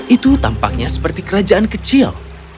itu tampaknya seperti kerajaan kecil